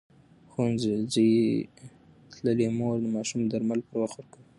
ښوونځې تللې مور د ماشوم درمل پر وخت ورکوي.